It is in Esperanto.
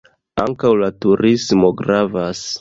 Ankaŭ la turismo gravas.